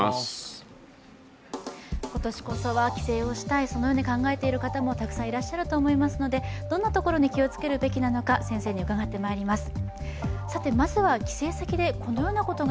今年こそは帰省をしたいそのように考えている方もたくさんいらっしゃると思いますので、どんなことに気をつけるべきなのか先生に伺ってまいります。